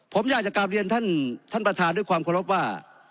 ผมอยากจะกลับเรียนท่านประธานด้วยความเคารพว่า